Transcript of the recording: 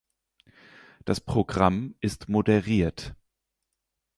Das Programm ist moderiert.